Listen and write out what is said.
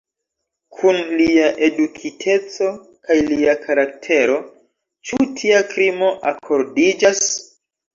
Kun lia edukiteco kaj lia karaktero ĉu tia krimo akordiĝas?